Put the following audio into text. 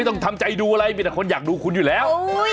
ต้องทำใจดูอะไรมีแต่คนอยากดูคุณอยู่แล้ว